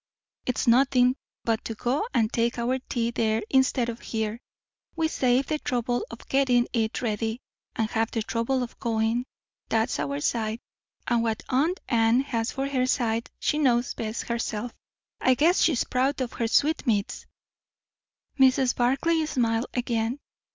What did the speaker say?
"It's nothin' but to go and take our tea there instead of here. We save the trouble of gettin' it ready, and have the trouble of going; that's our side; and what aunt Anne has for her side she knows best herself. I guess she's proud of her sweetmeats." Mrs. Barclay smiled again.